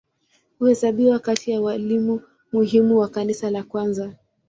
Huhesabiwa kati ya walimu muhimu wa Kanisa la kwanza.